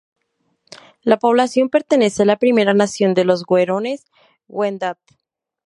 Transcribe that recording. La población pertenece a la primera nación de los "hurones-wendat".